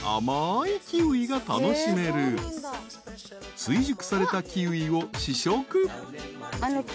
［追熟されたキウイを試食］